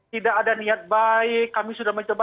tidak ada niat baik kami sudah mencoba